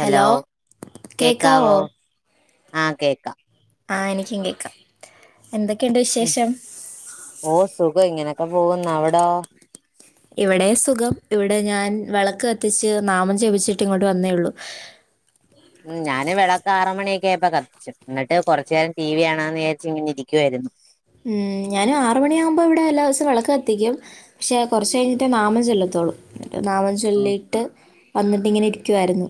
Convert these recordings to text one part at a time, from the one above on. Hello കേക്കാവോ ആ കേക്കാം ആ എനിക്കും കേക്കാം എന്തൊ ഉം ഓ സുഖം ഇങ്ങനെ [unintelligible] പോവുന്നു അവിടോ ഇവിടെയും സുഖം ഇവിടെ ഞാൻ വെളക്ക് കത്തിച്ച് നാമം ജപിച്ചിട്ട് ഇങ്ങോട്ട് വന്നേ ഉള്ളൂ ഉം ഞാന് വെമ്ളക്ക് ആറ് മണിയൊക്കെ ആയപ്പൊ കത്തിച്ചു, എന്നിട്ട് കൊറച്ച് നേരം ടി വി കാണാന്ന് വിചാരിച്ച് ഇങ്ങനെ ഇരിക്കുവായിരുന്നു. ഉം ഞാനും ആറ് മണിയാവുമ്പോ ഇവിടെ എല്ലാ ദിവസവും വെളക്ക് കത്തിക്കും പക്ഷെ കൊറച്ച് കഴിഞ്ഞിട്ടേ നാമം ചൊല്ലത്തുള്ളൂ. നാമം ചൊല്ലിയിട്ട് വന്നിട്ടിങ്ങനെ ഇരിക്കുവായിരുന്നു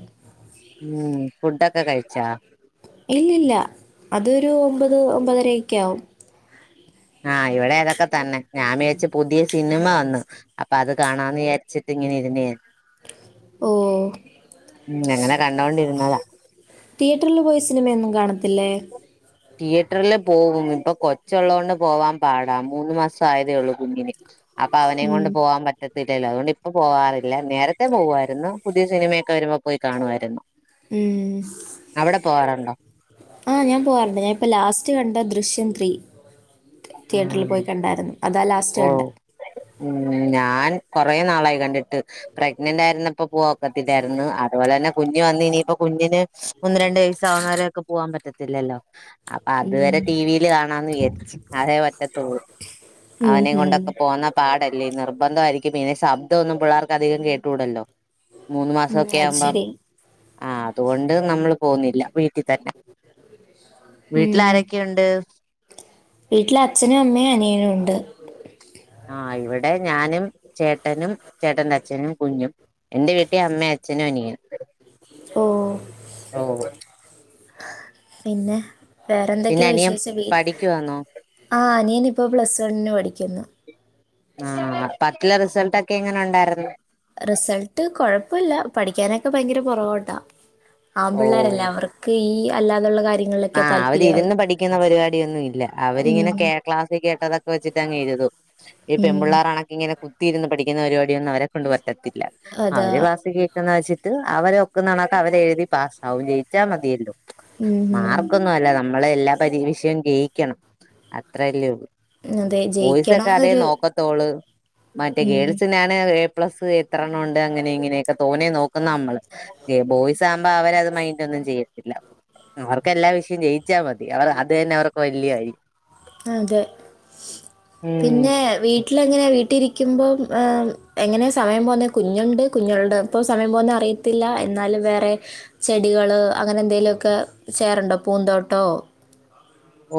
ഉം ഫുഡൊക്കെ കഴിച്ചാ? ഇല്ലില്ല അതൊരു ഒമ്പത് ഒമ്പതരെയ്ക്കാവും ആഹ് ഇവിടെ അതൊക്കെ തന്നെ ഞാൻ വിചാരിച്ചു പുതിയ സിനിമ വന്നു അപ്പൊ അത് കാണാന്ന് വിചാരിച്ചിട്ടിങ്ങനെ ഇരുന്നെയാണ് ഓ ഉം അങ്ങനെ കണ്ടോണ്ടി രുന്നതാ തിയേറ്ററില് പോയി സിനിമയൊന്നും കാണത്തില്ലേ? തിയേറ്റർല് പോവും, ഇപ്പൊ കൊച്ചൊള്ളത് കൊണ്ട് പോവാൻ പാടാ, മൂന്ന് മാസം ആയതേ ഉള്ളൂ കുഞ്ഞിന്. അപ്പൊ അവനെയും ഉം കൊണ്ട് പോവാൻ പറ്റത് ഇല്ലില്ല അതുകൊണ്ട് ഇപ്പ പോവാറില്ല, നേരത്തെ പോവായിരുന്നു, പുതിയ സിനിമയൊക്കെ വരുമ്പോ പോയി കാണുവായിരുന്നു ഉം ആ ഞാൻ പോവാറിണ്ട് ഞാൻ ഇപ്പൊ ലാസ്റ്റ് കണ്ട ദൃശ്യം ത്രീ തിയേറ്ററിൽ ആഹ് പോയി കണ്ടായിരുന്നു അതാ ലാസ്റ്റ് ഓ കണ്ടേ. ഉം ഞാൻ കൊറെ നാളായി കണ്ടിട്ട് പ്രഗ്നൻറായിരുന്നപ്പോ പോ പറ്റില്ലായിരുന്നു അതുപോലെ തന്നെ കുഞ്ഞ് വന്ന് ഇനിയിപ്പോ കുഞ്ഞിന് ഒന്ന് രണ്ടു വയസ്സും ആവും വരെ ഒക്കെ പോവാൻ പറ്റത്തില്ലല്ലോ. അപ്പൊ ഉം അതുവരെ ടിവിയില് കാണാന്ന് വിചാരിച്ചു. അതേ പറ്റത്തൂ, ഉം അവനേം ഉം കൊണ്ടൊക്കെ പോവുന്നേ പാട അല്ല നിർബന്ധമായിരിക്കും പിന്നെ ശബ്ദം ഒന്നും പിള്ളേർക്ക് അധികം കേട്ടൂടല്ലോ മൂന്ന് ഉം മാസൊക്കെ അത് ആവുമ്പം ശരി ആ അതുകൊണ്ട് നമ്മള് പോവുന്നില്ല വീട്ടി തന്നെ വീട്ടില് ഉം ആരൊക്കെയുണ്ട്? വീട്ടില് അച്ഛനും അമ്മയും അനിയനും ഉണ്ട് ആഹ് ഇവിടെ ഞാനും ചേട്ടനും ചേട്ടന്റെ അച്ഛനും കുഞ്ഞും എൻന്റെ വീട്ടിൽ അമ്മയും അച്ഛനും അനിയ- ഓ പിന്നെ പിന്നെ വേറെന്തൊക്കെയാ അനിയൻ വിശേഷിച്ച പഠിക്കുവാന്നോ ആ അനിയൻ ഇപ്പോ പ്ലസ് വണ്ണിന് പഠിക്കുന്നു ആ പത്തിലെ റിസൾട്ട് ഒക്കെ ഇ എങ്ങനെ ഉണ്ടായിരുന്നു റിസൾട്ട് കൊഴപ്പില്ല പഠിക്കാനൊക്കെ ഭയങ്കര പുറകോട്ടാ ഓ ആൺപിളേരല്ലേ അവർക്ക് ഈ- അല്ലാതുള്ള കാര്യം ആ അവരിരുന്ന് പഠിക്കുന്ന പരിപാടി ഒന്നും ഇല്ല അവരിങ്ങനെ ഉം ക്ലാസ്സിൽ കേട്ടതൊക്കെ വെച്ചിട്ട് അങ്ങ് എഴുതും ഈ ഉം പെൺപിളേളർ ആണ് ഇങ്ങനെ ഇരുന്നു പഠിക്കുന്ന പരിപാടി ഒന്നും അവരെ കൊണ്ടു പററ്റില്ല പറ്റത്തില്ല അതാ അവരെ വാസികയ [unintelligible] എന്ന് വെച്ചിട്ട് അവരെ ഒക്കെ നടന്ന അവരെഴുതി പാസാവും ജയിച്ചാൽ മതിയല്ലോ ഉം ഉം മാർക്കൊന്നും അല്ല നമ്മൾ എല്ലാ പരീക്ഷയും ജയിക്കണം അത്രല്ലേ ഉള്ളൂ അതെ ബോയ്സൊക്കെ അത ജയിക്കണന്നൊരു നോക്കത്തോൾ മറ്റേ ഉം ഗേൾസിനാണ് പ്ലസ് എത്രണ്ണം ഉണ്ട് അങ്ങനെ ഇങ്ങനെയൊക്കെ തോന്നേ നോക്കുന്ന നമ്മൾ ബോയ്സ് ആകുമ്പോ അവരത് മൈൻഡ് ഒന്നും ചെയ്യത്തില്ല. അവർക്കെല്ലാം വിഷയം ജയിച്ചാൽ മതി അവർ അത് തന്നെ അവർക്ക് വലിയ കാര്യം അതെ പിന്നെ ഉം വീട്ടിൽ എങ്ങനെ വീട്ടിൽ ഇരിക്ക ഇരി ക്കുമ്പോ എങ്ങനെ സമയം പോകുന്നെ കുഞ്ഞുണ്ട് കുഞ്ഞുണ്ട് ഇപ്പൊ സമയം പോവുന്നേ അറിയത്തില്ല എന്നാലും വേറെ ചെടികൾ അങ്ങനെ എന്തെലു മൊക്കെ ഒക്കെ ചെയ്യാറുണ്ടോ പൂന്തോട്ടോ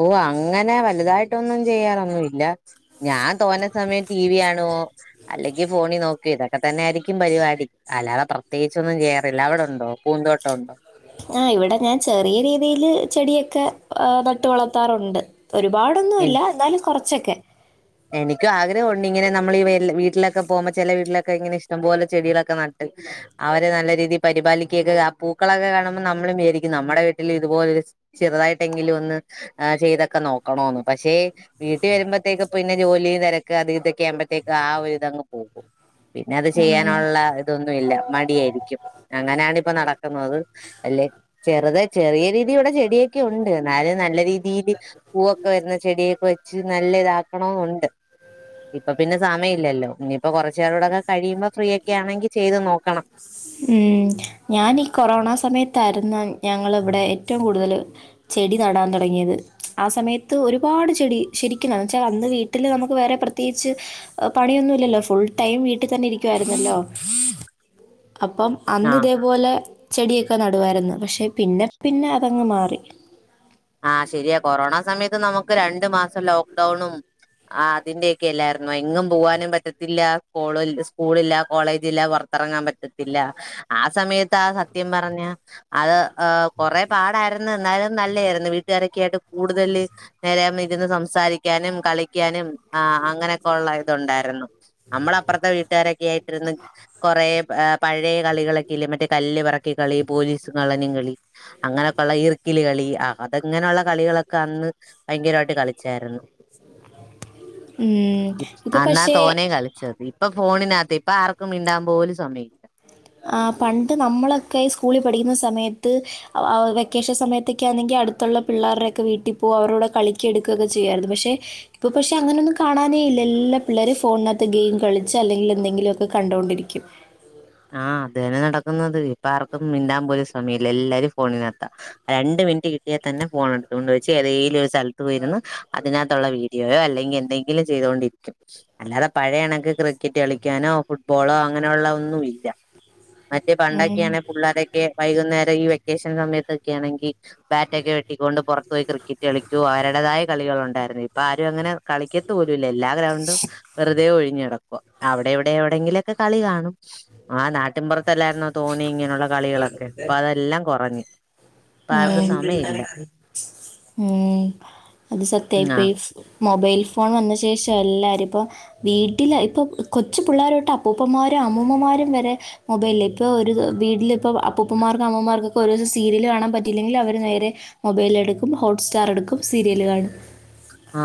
ഓ അങ്ങനെ വലുതായിട്ടൊന്നും ചെയ്യാറൊന്നുമല്ല ഞാൻ തോന്ന സമയം ടി വി കാണുവോ അല്ലെങ്കിൽ ഫോണിൽ നോക്കുവോ ഇതൊക്കെ തന്നെ ആയിരിക്കും പരിപാടി അല്ലാതെ പ്രത്യേകിച്ചൊന്നും ചെയ്യാറില്ല അവിടെണ്ടോ ആ ഇവിടെ ഞാൻ ചെറിയ രീതി എൻ്റെയിൽ ചെടിയൊക്കെ നട്ട് വളർത്താറുണ്ട് ഒരുപാടൊന്നും ഇല്ല എന്നാലും കുറച്ചൊക്കെ എനിക്കും ആഗ്രഹമുണ്ട് ഇങ്ങനെ നമ്മൾ ഈ വീട്ടിലൊക്കെ പോകുമ്പോൾ ചില വീട്ടിലൊക്കെ ഇങ്ങനെ ഇഷ്ടം പോലെ ചെടികളൊക്കെ നട്ട് അവർനല്ല രീതിയിൽ പരിപാലിക്കുമൊക്കെ ആ പൂക്കളൊക്കെ കാണുമ്പോൾ നമ്മളും വിചാരിക്കും നമ്മുടെ വീട്ടിൽ ഇതുപോലൊരു ചെറുതായിട്ട് എങ്കിലും ഒന്ന് ചെയ്തൊക്കെ നോക്കമെണന്ന് പക്ഷേ വീട്ടിൽ വരുമ്പോത്തേക്കും പിന്നെ ജോലി തിരക്ക് അത് ഇതൊക്കെ ആവുമ്പോഴത്തേക്ക് ആ ഒരു ഇതങ്ങ് പോകും പിന്നെ അത് ഉം. ചെയ്യാനുള്ള ഇതൊന്നുമല്ല മടിയായിരിക്കും അങ്ങനെയാണ് ഇപ്പൊ നടക്കുന്നത് അല്ലെ ചെറുത ചെറിയ രീതിയിലൂടെ ചെടിയെ ഉണ്ട് എന്നാലും നല്ല രീതി- [inaudible] പൂവൊക്കെ വരുന്ന ചെടിയൊക്കെ വെച്ച് നല്ല ഇതാക്ക ഓ ഉണ്ട് ഇപ്പൊ പിന്നെ സമയമില്ലല്ലോ ഇനിയിപ്പോ കുറച്ചുകേടൊക്കെ കഴിയുമ്പോ ഫ്രീ ഒക്കെ ആണെങ്കിൽ ചെയ്ത് നോക്കും. ഉം ഞാനീ കൊറോണ സമയത്തായിരുന്നു ഞങ്ങൾ ഇവിടെ ഏറ്റവും കൂടുതൽ ചെടി നടാൻ തുടങ്ങിയത് ആ സമയത്ത് ഒരുപാട് ചെടി ശരിക്കും വെച്ചാൽ അന്ന് വീട്ടിൽ നമുക്ക് വേറെ പ്രത്യേകിച്ച് പണിയൊന്നുമില്ലല്ലോ ഫുൾ ടൈം വീട്ടിൽ തന്നെ ഇരിക്കുായിരുന്നല്ലോ അപ്പം അന്ന് ആഹ് ഇതേപോലെ ചെടിയൊക്കെ നടുവമായിരുന്നു പക്ഷെ- പിന്നെ പിന്നെ അതങ്ങ് മാറി ആ ശരിയാ കൊറോണ സമയത്ത് നമുക്ക് രണ്ടു മാസം ലോക്ഡൗണും അതിന്റെ ഒക്കെ അല്ലായിരുന്നു എങ്ങും പോവാനും പറ്റത്തില്ല സ്കൂളില്ല കോളേജില്ല പുറത്തിറങ്ങാൻ പറ്റത്തില്ല ആ സമയത്ത് ആ സത്യം പറഞ്ഞ അത് ആ കൊറെ പാടായിരുന്നു എന്നാലും നല്ലയാര്- വീട്ടുകാരൊക്കായിട്ട് കൂടുതല് നേരെയൊന്നിര്ന്ന് സംസാരിക്കാനും കളിക്കാനും ആഹ് അങ്ങനൊക്കെ ഒള്ള ഇതൊണ്ടാരുന്നു നമ്മള് അപ്പറത്തെ വീട്ടുകാരൊക്കെയായിട്ടിരുന്ന് കൊറേ പഴയ കളികളൊക്കില്ല മറ്റേ കല്ല് പറക്കി കളി പോലീസും കള്ളനും കളി അങ്ങനൊക്കെയൊള്ള ഈർക്കില്കളി അ- അതങ്ങനൊള്ള കളികളൊക്കെ അന്ന് ഭയങ്കരാട്ട് കളി- കളിച്ചാരന്നു ഉം, ഇപ്പൊ പക്ഷേ ഇപ്പൊ ഫോണിനാത്ത് ഇപ്പ ആർക്കും മിണ്ടാപോലും സമയില്ല ആഹ് പണ്ട് നമ്മളൊക്കെ സ്കൂളിൽ പഠിക്കുന്ന സമയത്ത് വെക്കേഷൻ സമയത്തൊക്കെ ആന്നെങ്കി അടുത്തൊള്ള പിള്ളേർടൊക്കെ വീട്ടി പോം അവർടൂടെ കളിക്കും ആഹ് അതന്നെ നടക്കുന്നത് ഇപ്പ ആർക്കും മിണ്ടാപോലും സമയില്ല എല്ലാരും ഫോണിനാത്ത രണ്ട് മിനിറ്റ് കിട്ടിയാതന്നെ ഫോൺ എടുത്ത്കൊണ്ട് വച്ച് ഏതേലൊരു സി- സ്ഥലത്ത് പോയ്രിന്ന് അതിനാത്തൊള്ള വീടി- യോ അല്ലെങ്കി എന്തെങ്കിലും ചെയ്തോണ്ടിരിക്കും അല്ലാതെ പഴയണക്ക് ക്രിക്കറ്റ് കളിക്കാനോ ഫുട്ബോളോ അങ്ങനൊള്ള ഒന്നുംല്ല ല്ല മറ്റേ ഉം. പണ്ടൊക്കെയാണെ പുള്ളോരൊക്കെ വൈകുന്നേരം ഈ വെ- ക്കേഷൻ സമയത്തൊക്കെയാണെങ്കി ബാറ്റക്കെ വെട്ടിക്കൊണ്ട് പുറത്തോയി ക്രിക്കറ്റ് കളിക്കോ അവരെടേതായ കളികൾ ഉണ്ടായിരുന്നു ഇപ്പൊ ആരും അങ്ങനെ കളിക്കത്ത് പോലു- എല്ലാ ഗ്രൗണ്ടും വെറുതെ ഒഴിഞ്ഞെട- അവിടെവിടെ എവിടെങ്കിലൊക്കെ കളി കാണും ആഹ് നാട്ടിമ്പൊറ- ത്തൊലാരുന്നൊ തോന്നി ഇങ്ങനൊള്ള കളികളൊക്കെ ഇപ്പൊ അതെല്ലാം കൊറഞ്ഞ് ഉം ഉം അത് ആ സത്യായിപ്പോയ് മൊബൈൽ ഫോൺ വന്ന ശേഷം എല്ലാരും ഇപ്പൊ വീട്ടിൽ ഇപ്പോൾ കൊച്ച് പിള്ളേരൊട്ട് അപ്പൂപ്പന്മാരും അമ്മൂമ്മമാരും വരെ മൊബൈല ഇപ്പൊ ഒരു വീട്ടി- പറ്റില്ലങ്കിൽ അവര് നേരെ മൊബൈല് എടുക്കും ഹോട്ട്സ്റ്റാർ എടുക്കും സീരിയല് കാണും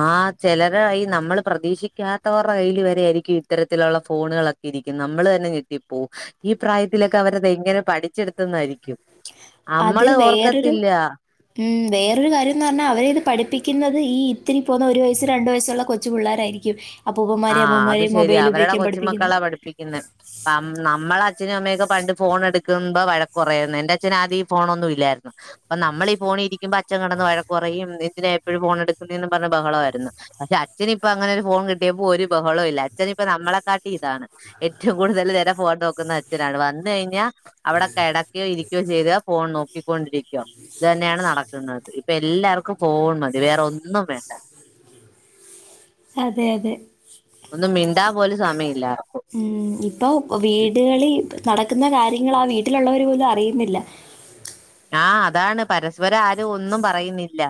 ആഹ് ചെലര് ഈ നമ്മള് പ്രതീക്ഷിക്കാത്തവർടെ കയ്ൽ വരെ ആരിക്കും ഇത്തരത്തിലൊള്ള ഫോണ്- അമ്മള് അതിൽ വേറൊരു ഓർക്കത്തില്ലാ ഉം വേറൊരു കാര്യന്ന് പറഞ്ഞ അവരെ ഇത് പഠിപ്പിക്കന്നത് ഈ ഇത്തിരി പോന്ന ഒരു വയസ്സ് രണ്ടു വയസൊള്ള കൊച്ചു പുള്ളാരാരിക്കും ആഹ് അത് ശെരിയാ അവരടെ പഠിപ്പിക്കുന്നത് കൊച്ചുമക്കളാ പഠിപ്പിക്കുന്നെ നം നമ്മളെ അച്ഛനും അമ്മയൊക്കെ പണ്ട് ഫോൺ എടു- ക്കമ്പം വഴക്കൊ- അച്ചൻക്കെടന്ന് വഴക്കുറയും എന്തിനാഎപ്പഴും ഫോണെടുക്കുന്നേന്ന് പറഞ്ഞ് ബഹളാരുന്നു പക്ഷെ അച്ഛന് ഇപ്പം അങ്ങനൊരു ഫോൺ- കിട്ടിയപ്പ ഒരു ബഹളുല്ല അച്ഛൻ ഇപ്പം നമ്മളെ കാട്ടി ഇതാണ് ഏറ്റം കൂടുതല് അവിടെ കെടക്കോ ഇരിക്കോ ചെയ്ത ഫോൺ നോക്കി കൊണ്ടിരിക്കോ ഇതന്നെയാണ് നടക്കുന്നത് ഇപ്പൊ എല്ലാർക്കും ഫോൺ മതി വേറെ ഒന്നും വേണ്ട അതെ അതെ ഒന്നു മിണ്ടാപോലും സമയില്ല ഉം ഇപ്പൊ വീടുകളി നടക്ക്ന്ന കാര്യങ്ങള് ആ വീട്ടിലൊള്ളവര് പോലും അറിയുന്നില്ല ആഹ് അതാണ് പരസ്പരം ആരും ഒന്നും പറയുന്നില്ല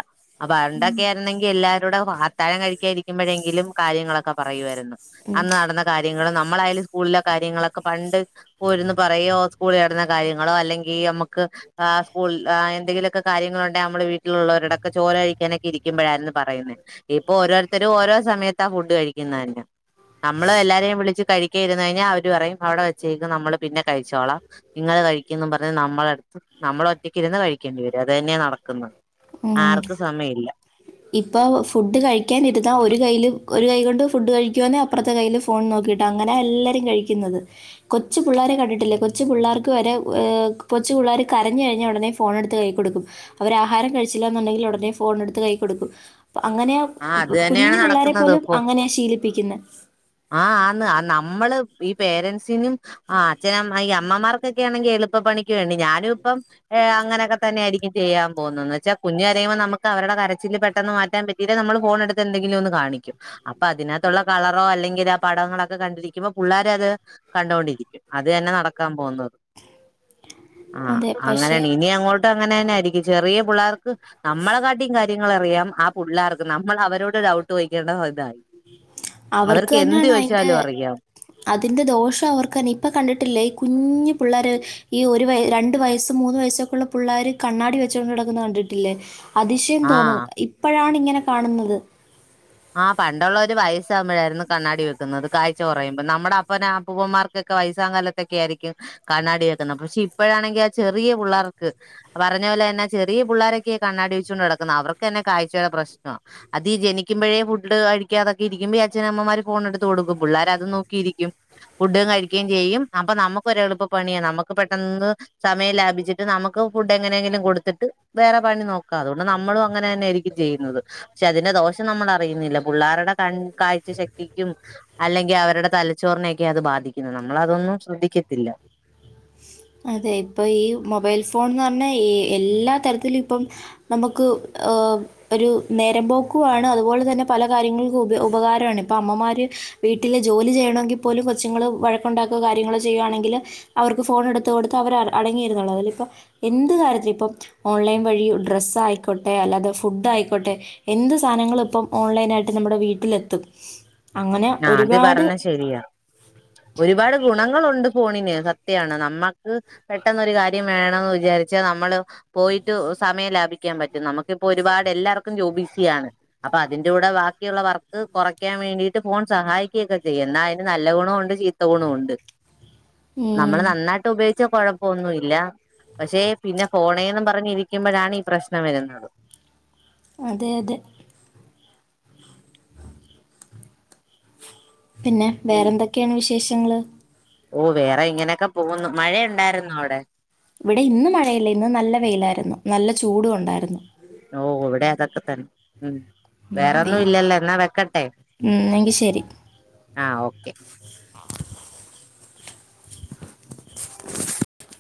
ആ പണ്ടൊക്യായ്രുന്നെങ്കി എല്ലാ- കൂടെ അത്താഴം കഴിക്കാനിരിക്കുമ്പഴെങ്കിലും കാര്യങ്ങളൊക്കെ പറയുവാരുന്നു ഉം, അന്ന് നടന്ന കാര്യങ്ങളും നമ് മ്മളായാലും സ്കൂളിലെ കാര്യങ്ങളൊക്കെ പണ്ട് ഓരോന്ന് പറയോ സ്കൂളിനടന്ന കാര്യങ്ങളോ അല്ലെങ്കി അമ്മക്ക് എന്തെങ്കിലൊക്കെ കാര്യങ്ങളൊണ്ടെ അമ്മള് വീട്ടിലുള്ളവരോടൊക്കെ ചോറ് കഴിക്കാനൊക്കെ ഇരിക്കുമ്പഴാര്ന്ന് പറയുന്നെ ഇപ്പൊ ഓരോര്ത്തര് ഓരോസമയത്താ ഫുഡ് കഴിക്കുന്നന്നേ. അമ്മള് എല്ലാരേം വിളിച്ച് കഴി ക്കേയിര്ന്ന് കഴിഞ്ഞാ അവര് പറയും അവടെ വെച്ചേക്ക്‌ നമ്മള് പിന്നെ കഴിച്ചോളാം ഇങ്ങള് കഴിക്കെന്നും പർഞ്ഞ് നമ്മളട്ത്ത് നമ്മളൊറ്റക്കിര്ന്ന് കഴിക്കേണ്ടി വരും അതെന്നെ നടക്കുന്നത്. ആർക്കു സമയില്ല. ഇപ്പ ഫുഡ് കഴിക്കാനിരുന്നാ ഒര് കൈയ്യില് ഒരു കൈ കൊണ്ട് ഫുഡ് കഴിക്കുവാന്നെ അപ്പർത്തെ കയ്യില് ഫോൺ നോക്കീട്ടങ്ങനാ എല്ലാരും കഴിക്കുന്നത് കൊച്ചു പിള്ളാരെ കണ്ടിട്ടില്ലേ കൊച്ചു പിള്ളാർക്ക് വരെ ഏർ കൊച്ചു പിള്ളാര് കരഞ്ഞ് കഴിഞ്ഞാ ഒടനെ ഫോണെട്ത്ത് കൈ കൊടുക്കും അവരാഹാരം കഴിച്ചില്ലന്നുണ്ടെങ്കില് ഒടനെ ഫോണെട്ത്ത് കൈ കൊടുക്കും. അങ്ങനെയാ ആ കു കു അത് തന്നെയാണ് കുഞ്ഞു പിള്ളാരെ നടക്കുന്നത് പോലും ഇപ്പൊ അങ്ങനെ ശീലിപ്പിക്കുന്നെ. ആഹ് ആന്ന് ആ നമ്മള് ഈ പേരൻസിനും ആഹ് അച്ഛനമ്മ ഈ അമ്മമാർക്കെക്കെ ണെങ്കി എളുപ്പപ്പണിക്ക് വേണ്ടി ഞാനുപ്പം ഏ അങ്ങനൊക്കെ തന്നെ യായിരി നി ചെയ്യാം പോവുന്നന്ന്വെച്ചാ കുഞ്ഞ് കരയുമ്പോ നമ്മക്കവരുടെ കരച്ചില് പെട്ടെന്ന് മാറ്റാൻ പ തിരെ നമ്മള് ഫോണെട്ത്തെന്തെങ്കിലൊന്ന് കാണിക്കും അപ്പൊ അതിനഅത്തുള്ള കളറോ അല്ലെങ്കില് ആ പടങ്ങളൊക്കെ കണ്ടിരിക്കുമ്പോ പുള്ളാരത് കണ്ടൊണ്ടിരിക്കും അതെന്നെ നടക്കാൻ പോന്ന ആഹ് അതെ പക്ഷേ അങ്ങനെണ് ഇനി അങ്ങോ ട്ടങ്ങനെന്നായിരിക്കും ചെറിയ പുള്ളാർക്ക് നമ്മളെ കാട്ടിം കാര്യങ്ങളറിയാം അ പുള്ളാർക്ക് നമ്മളവരോട് ഡൗട്ടോയ്ക്കേണ്ട [unintelligible] യി. അവർക്ക് തന്നെയാണ് അതിന്റെ അറിയാം അതിന്റെ ദോഷം അവർക്ക് തന്നെ ഇപ്പൊ കണ്ടിട്ടില്ലേ ഈ കുഞ്ഞു പിള്ളേര് ഈ ഒരു വയ രണ്ടു വയസ്സ് മൂന്ന് വയസ്സൊക്കെയുള്ള പിള്ളാര് കണ്ണാടി വെച്ചോണ്ട് നടക്കുന്ന കണ്ടിട്ടില്ലേ? അതിശയം തോന്നും ആഹ് ഇപ്പഴാണ് ഇങ്ങനെ കാണുന്നത്. ആ പണ്ടൊള്ളോരു വയസാമ്പഴായിരുന്നു കണ്ണാടി വെക്കുന്നത് കാഴ്ച കൊറയുമ്പ നമ്മടപ്പനപ്പൂപ്പന്മാർക്കൊക്കെ വയസ്സാം കാലത്തൊക്കെ ആയിരിക്കും കണ്ണാടി വെക്കുന്ന പക്ഷെ ഇപ്പഴാണെങ്ക ആ ചെറിയ പുള്ളാർക്ക് പറഞ്ഞ പോലെ തന്നെ ചെറിയ പുള്ളാരൊക്കെയ കണ്ണാടി വെച്ചുകോണ്ട് നടക്കുന്നത് അവർക്ക് തന്നെ കാഴ്ചയുടെ പ്രശ്നാ അതീ ജനി ക്കുമ്പഴേ ഫുഡ് കഴിക്കാതൊക്കെ ഇരിക്കുമ്പോ ഈ അച്ഛനമ്മമാര് ഫോൺ എടുത്ത് കൊടുക്കും പുള്ളാരതും നോക്കിയിരിക്കും ഫുഡ് കഴിക്ക്യേം ചെയ്യും അപ്പൊ നമുക്ക് ഒരെളുപ്പപണിയാ നമ്മുക്ക് പെട്ടെന്ന് സമയം ലാഭിച്ചിട്ട് നമുക്ക് ഫുഡ് എങ്ങനെയെങ്കിലും കൊടുത്തിട്ട് വേറെ പണി നോക്കാം അതുകൊണ്ട് നമ്മളും അങ്ങനെന്നെയായിരിക്കും ചെയ്യുന്നത് പക്ഷെ അതിന്റെ ദോഷ നമ്മൾ അറിയുന്നില്ല പുള്ളേരുടെ കൺ കാഴ്ച ശക്തിക്കും അല്ലെങ്കി അവരുടെ തലച്ചോറിനെയൊക്കെ അത് ബാധിക്കുന്നെ നമ്മളതൊന്നും ശ്രദ്ധിക്കത്തില്ല. അതെ ഇപ്പൊ ഈ മൊബൈൽ ഫോൺന്ന് പറഞ്ഞാ എ എല്ലാ തരത്തിലും ഇപ്പം നമുക്ക് ഏഹ് ഒരു നേരം പോക്കുവാണ് അതുപോലെ തന്നെ പല കാര്യങ്ങൾക്കും ഉപ ഉപകാരമാണ് ഇപ്പൊ അമ്മമാര് വീട്ടില് ജോലി ചെയ്യണമെങ്കിൽ പോലും കൊച്ചുങ്ങള് വഴക്കുണ്ടാക്കുവോ കാര്യങ്ങളൊ ചെയ്യുവാണെങ്കില് അവർക്ക് ഫോൺ എടുത്ത് കൊടുത്താ അവര് അടങ്ങിയിരുന്നോളും അതിലിപ്പൊ എന്ത് കാര്യത്തിലും ഇപ്പം ഓൺലൈൻ വഴി ഡ്രസ്സ് ആയിക്കോട്ടെ അല്ലാതെ ഫുഡ് ആയിക്കോട്ടെ എന്ത് സാധനങ്ങളും ഇപ്പം ഓൺലൈൻ ആയിട്ട് നമ്മുടെ വീട്ടിലെത്തും. അങ്ങനെ ആ അത് ഒരുപാട് പറഞ്ഞ ശരിയാ ഒരുപാട് ഗുണങ്ങളൊണ്ട് ഫോണിന് സത്യാണ് നമ്മക്ക് പെട്ടെന്ന് ഒരു കാര്യം വേണോന്ന് വിചാരിച്ചാ നമ്മള് പോയിട്ട് സമയം ലാഭിക്കാൻ പറ്റും നമുക്കിപ്പോ ഒരുപാട് എല്ലാർക്കും ജോബീസി ആണ് അപ്പൊ അതിന്റെ കൂടെ ബാക്കിയുള്ള വർക്ക് കുറയ്ക്കാൻ വേണ്ടിട്ട് ഫോൺ സഹായിക്കയൊക്കെ ചെയ്യും എന്നാ അതിന് നല്ല ഗുണോ ഒണ്ട് ചീത്ത ഗുണോ ഒണ്ട്. മ്മ്. നമ്മള് നന്നായിട്ട് ഉപയോ ഗിച്ചാ കൊഴപ്പൊന്നുവില്ല പക്ഷേ പിന്നെ ഫോണേന്നും പറഞ്ഞിരിക്കുമ്പഴാണീ പ്രശ്നം വരുന്നത്. അതെ അതെ പിന്നെ വേറെന്തൊക്കെയാണ് വിശേഷം. ഞങ്ങള് ഓ വേറെ, ഇങ്ങനെയൊക്കെ പോകുന്നു. മഴ ഒണ്ടായിരുന്നോ അവിടെ, ഇവിടെ ഇന്ന് മഴയില്ല ഇന്ന് നല്ല വെയിലായിരുന്നു നല്ല ചൂട് ഒണ്ടായിരുന്നു ഓ എവിടെ അതൊക്കെ തന്നെ ഉം ഉം വേറെന്നും വെയിൽ ഇല്ലല്ലോ എന്നാ വെക്കട്ടെ ഉം എങ്കിൽ ശരി ആഹ ഓക്കെ [unintelligible]